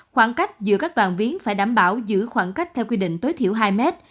khoảng cách giữa các đoàn viến phải đảm bảo giữ khoảng cách theo quy định tối thiểu hai mét